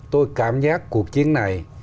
tôi cảm giác cuộc chiến này